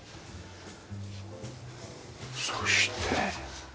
そして。